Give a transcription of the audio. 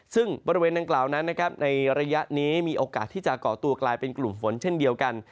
ซึ่งบริเวณดังกล่าวนั้นในระยะนี้มีโอกาสที่จะก่อตัวกลายเป็นกลุ่มฝนเช่นเดียวกัน